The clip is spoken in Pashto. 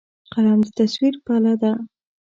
قلم د تصور پله ده